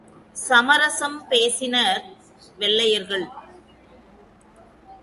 சமரசம் பேசினர் வெள்ளையர்கள்.